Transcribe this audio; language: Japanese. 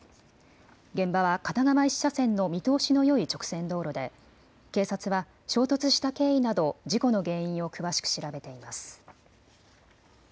現場は片側１車線の見通しのよい直線道路で警察は衝突した経緯など事故の原因を詳しく調べています。